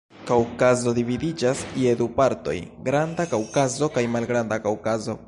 Kaŭkazo dividiĝas je du partoj: Granda Kaŭkazo kaj Malgranda Kaŭkazo.